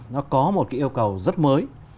nó có một yêu cầu rất mới